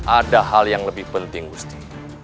ada hal yang lebih penting gusti